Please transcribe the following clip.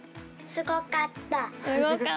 すごかった。